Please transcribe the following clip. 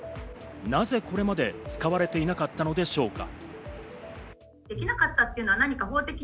なぜこれまで使われていなかったのでしょうか？